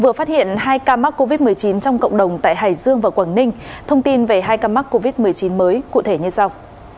vừa phát hiện hai ca mắc covid một mươi chín trong cộng đồng tại hải dương và quảng ninh thông tin về hai ca mắc covid một mươi chín mới cụ thể như sau